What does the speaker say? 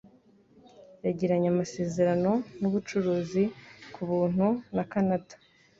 Yagiranye amasezerano n’ubucuruzi ku buntu na Kanada.